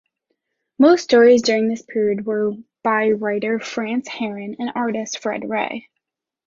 Most stories during this period were by writer France Herron and artist Fred Ray.